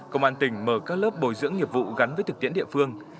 công an tỉnh mở các lớp bồi dưỡng nghiệp vụ gắn với thực tiễn địa phương